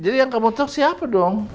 jadi yang kamu tau siapa dong